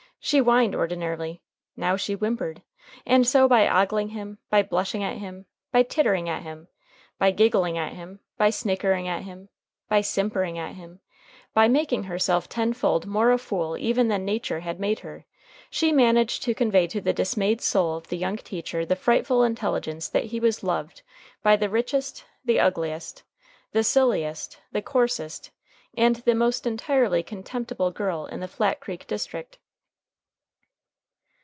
She whined ordinarily. Now she whimpered. And so by ogling him, by blushing at him, by tittering at him, by giggling at him, by snickering at him, by simpering at him, by making herself tenfold more a fool even than nature had made her, she managed to convey to the dismayed soul of the young teacher the frightful intelligence that he was loved by the richest, the ugliest, the silliest, the coarsest, and the most entirely contemptible girl in Flat Creek district.